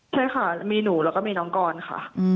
ใช่ค่ะมีหนูแล้วก็มีน้องกรค่ะ